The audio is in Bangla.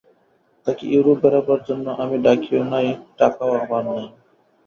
তাকে ইউরোপ বেড়াবার জন্য আমি ডাকিও নাই এবং টাকাও আমার নাই।